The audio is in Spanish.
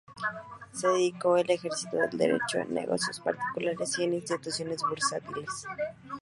Se dedicó al ejercicio del derecho, en negocios particulares y en instituciones bursátiles.